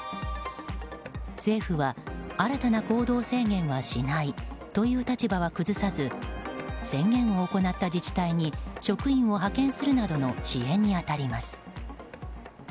政府は新たな行動制限はしないという立場は崩さず宣言を行った自治体に職員を派遣するなどの支援に当たります。